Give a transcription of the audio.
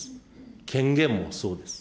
権限もそうです。